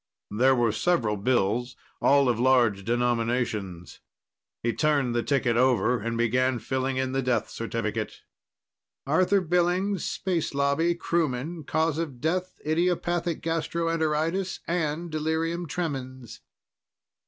There were several bills, all of large denominations. He turned the ticket over and began filling in the death certificate. "Arthur Billings. Space Lobby. Crewman. Cause of death, idiopathic gastroenteritis and delirium tremens."